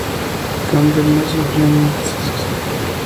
Campbell nace en Fleming, Saskatchewan.